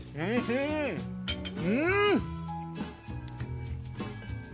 うん！